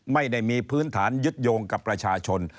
ไม่ได้มีพื้นฐานยึดโยงกับประชาชน